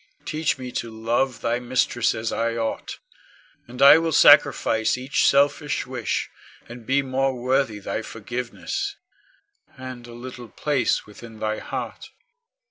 Teach me to love thy mistress as I ought, and I will sacrifice each selfish wish, and be more worthy thy forgiveness, and a little place within thy heart.